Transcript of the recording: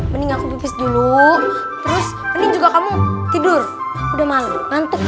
mending aku pipis dulu terus mending kamu tidur udah malu ngantuk